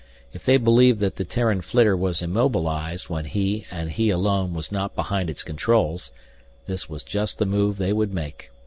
If they believed that the Terran flitter was immobilized when he, and he alone, was not behind its controls, this was just the move they would make.